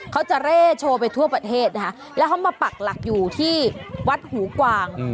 เขาจะเร่โชว์ไปทั่วประเทศนะคะแล้วเขามาปักหลักอยู่ที่วัดหูกวาง